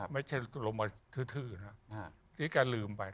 ไม่ใช่ลงมาทื้อนะที่แกลืมไป